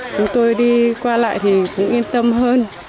chúng tôi đi qua lại thì cũng yên tâm hơn